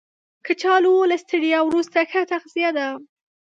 کچالو له ستړیا وروسته ښه تغذیه ده